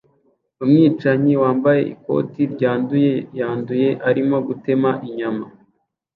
Umwicanyi wambaye ikote ryanduye yanduye arimo gutema inyama